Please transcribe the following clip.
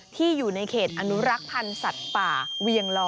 อยู่ในเขตอนุรักษ์พันธ์สัตว์ป่าเวียงลอ